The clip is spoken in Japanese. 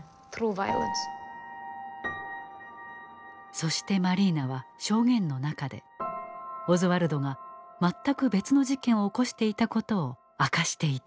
そしてマリーナは証言の中でオズワルドが全く別の事件を起こしていたことを明かしていた。